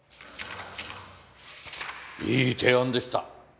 いい提案でした。